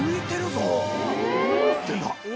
どうなってんだ？